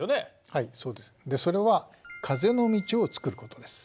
はいそうです。それは風の道を作ることです。